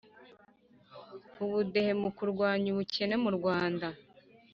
ubudehe mu kurwanya ubukene mu rwanda